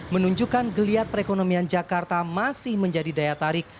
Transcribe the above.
menunjukkan geliat perekonomian jakarta masih menjadi daya tarik